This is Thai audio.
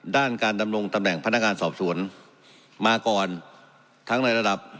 ด้านการดำรงตำแหน่งพนักงานสอบสวนมาก่อนทั้งในระดับ